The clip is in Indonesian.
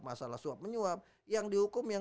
masalah suap menyuap yang dihukum yang